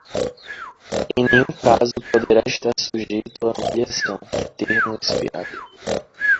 Em nenhum caso poderá estar sujeito a ampliação, termo expirado.